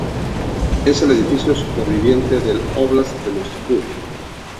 Es el edificio superviviente del óblast de Moscú.